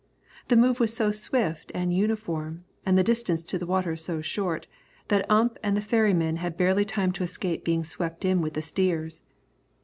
The move was so swift and uniform, and the distance to the water so short, that Ump and the ferrymen had barely time to escape being swept in with the steers.